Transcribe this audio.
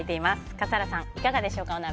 笠原さん、いかがでしょうかお鍋。